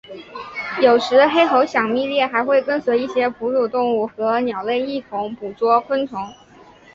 有时黑喉响蜜䴕还会跟随一些哺乳动物和鸟类一同捕捉昆虫。